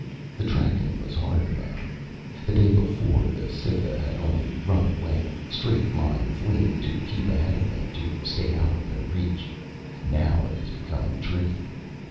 The tracking was harder now. The day before, the Cytha had only run away, straight line fleeing to keep ahead of them, to stay out of their reach. Now it was becoming tricky.